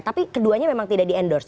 tapi keduanya memang tidak di endorse